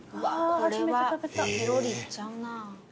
これはぺろりいっちゃうな。